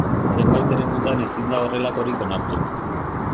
Zenbait eremutan ezin da horrelakorik onartu.